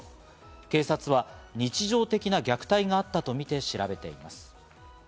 警察は日常的な虐待があったとみて調べています。